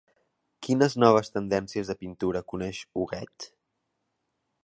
Quines noves tendències de pintura coneix Huguet?